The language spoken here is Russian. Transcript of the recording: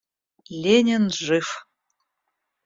Ленин — жив.